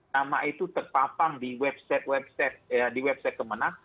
nama itu terpapang di website kemenang